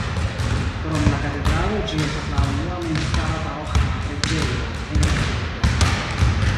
Krom la katedralo ĝi estas la unua memstara paroĥa preĝejo en Erfurto.